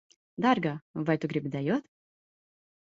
Dārgā, vai tu gribi dejot?